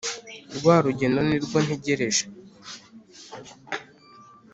rwa rugendo ni rwo ntegereje